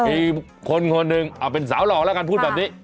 อีกคนนึงเอาเป็นสาวหล่อแล้วกันพูดแบบนี้